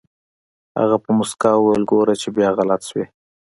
هغه په موسکا وويل ګوره چې بيا غلط شوې.